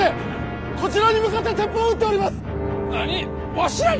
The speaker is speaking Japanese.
わしらに！？